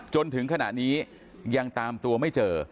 จนถึงขณะนี้ยังตามตัวไม่เจอ